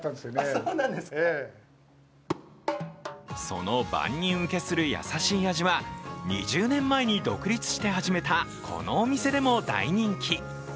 その万人受けする優しい味は、２０年前に独立して始めたこのお店でも、大人気。